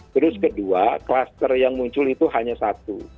terus kedua kluster yang muncul itu hanya satu